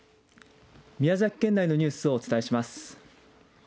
宮崎県内のニュースをお伝えします。